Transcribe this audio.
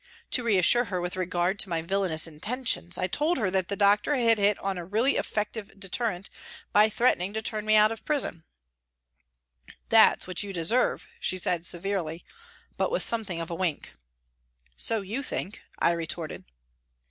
To reassure her with regard to my villainous intentions I told her that the doctor had 170 PRISONS AND PRISONERS hit on a really effective deterrent by threatening to turn me out of prison. " That's what you deserve," she said, severely, but with something of a wink. " So you think," I retorted.